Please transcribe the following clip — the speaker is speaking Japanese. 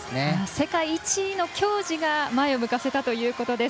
世界一の矜持が前を向かせたということです。